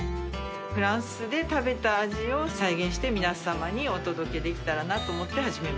フランスで食べた味を再現して皆さまにお届けできたらなと思って始めました。